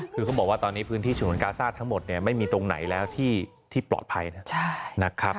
คือเขาบอกว่าตอนนี้พื้นที่ฉนวนกาซ่าทั้งหมดเนี่ยไม่มีตรงไหนแล้วที่ปลอดภัยนะครับ